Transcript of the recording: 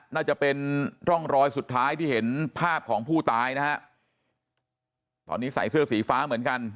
น่าจะเป็นร่องรอยสุดท้ายที่เห็นภาพของผู้ตายนะฮะตอนนี้ใส่เสื้อสีฟ้าเหมือนกัน